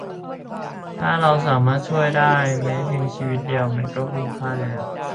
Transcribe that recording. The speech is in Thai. ถ้าเราสามารถช่วยได้แม้เพียงชีวิตเดียว มันก็คุ้มค่าแล้ว